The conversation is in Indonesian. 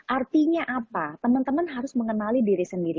artinya apa teman teman harus mengenali diri sendiri